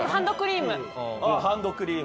ああハンドクリーム。